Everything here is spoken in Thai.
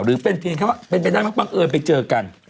หรือเพื่อนแค่ว่าเป็นแบบนั้นบังเอิญไปเจอกัน